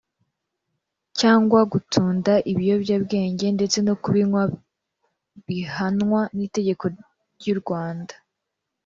cyangwa gutunda ibiyobyabwenge ndetse no ku binywa bihanwa n’itegeko ry’u Rwanda